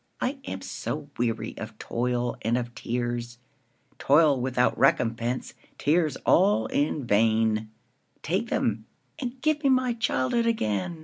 I am so weary of toil and of tears,—Toil without recompense, tears all in vain,—Take them, and give me my childhood again!